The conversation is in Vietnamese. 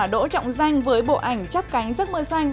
đỗ trọng danh với bộ ảnh chắp cánh giấc mưa xanh